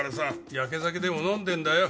ヤケ酒でも飲んでんだよ。